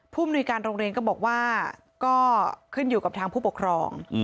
มนุยการโรงเรียนก็บอกว่าก็ขึ้นอยู่กับทางผู้ปกครอง